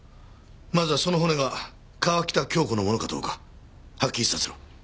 まずはその骨が川喜多京子のものかどうかはっきりさせろ。